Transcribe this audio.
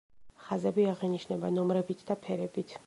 ხაზები აღინიშნება ნომრებით და ფერებით.